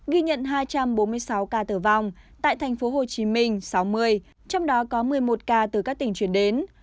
ghi nhận hai trăm bốn mươi sáu ca tử vong tại tp hcm sáu mươi trong đó có một mươi một ca từ các tỉnh chuyển đến